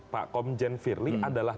pak komjen firly adalah